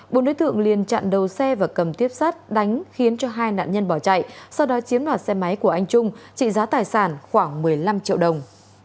bốn đối tượng liên chặn đầu xe và cầm tiếp sát đánh khiến cho hai nạn nhân bỏ chạy sau đó chiếm đoạt xe máy của anh trung trị giá tài sản khoảng một mươi năm triệu đồng